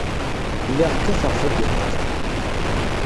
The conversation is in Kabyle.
Lliɣ kkateɣ tagiṭart.